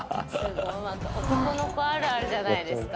男の子あるあるじゃないですか？